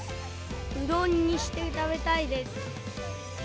うどんにして食べたいです。